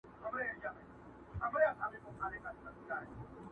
o چي شلومبې دي داسي خوښي وې، ځان ته به دي غوا اخيستې وای٫